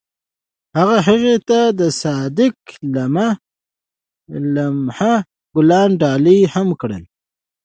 هغه هغې ته د صادق لمحه ګلان ډالۍ هم کړل.